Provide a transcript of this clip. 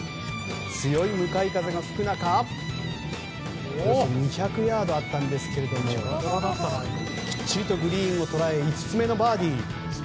強い向かい風が吹く中およそ２００ヤードあったんですがきっちりとグリーンを捉え５つ目のバーディー。